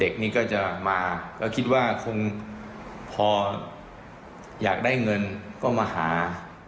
เด็กนี้ก็จะมาก็คิดว่าคงพออยากได้เงินก็มาหา